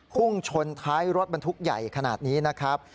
พุ่งชนท้ายรถบรรทุกใหญ่ขนาดนี้นะครับ